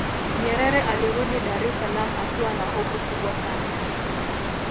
nyerere alirudi dar es salaam akiwa na hofu kubwa sana